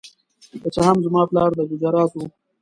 که څه هم زما پلار د ګجرات و.